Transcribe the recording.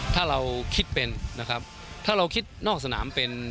ถ้าเราคิดเป็นนะครับถ้าเราคิดนอกสนามเป็น